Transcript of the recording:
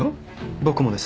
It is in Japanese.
僕もです。